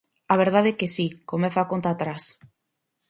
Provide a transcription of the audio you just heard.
A verdade que si, comeza a conta atrás.